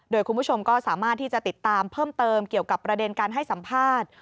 โดยคุณผู้ชมก็สามารถที่จะติดตามเพิ่มเติมเกี่ยวกับประเด็นการให้สัมภาษณ์